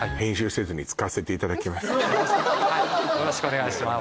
はいはいよろしくお願いします